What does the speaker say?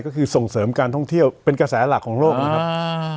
ก็คือส่งเสริมการท่องเที่ยวเป็นกระแสหลักของโลกนะครับ